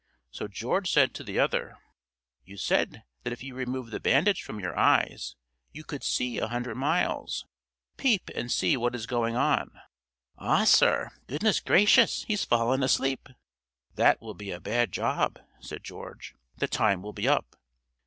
So George said to the other: "You said that if you removed the bandage from your eyes, you could see a hundred miles. Peep and see what is going on." "Ah, sir! Goodness gracious! he's fallen asleep!" "That will be a bad job," said George; "the time will be up.